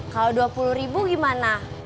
kalau dua puluh ribu gimana